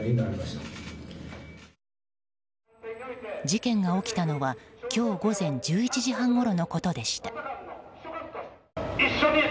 事件が起きたのは今日午前１１時半ごろのことでした。